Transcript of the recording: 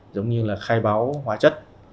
giống như là khai báo hóa chất